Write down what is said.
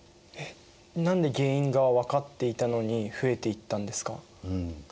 えっ何で原因が分かっていたのに増えていったんですか？